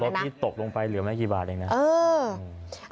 ถนนหนูกลงไปหนูจะเราล่มได้กี่บาทเองนะ